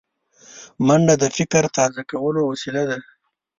منډه د فکر تازه کولو وسیله ده